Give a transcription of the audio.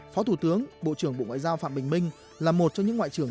phó thủ tướng bộ trưởng bộ ngoại giao phạm bình minh là một trong những ngoại trưởng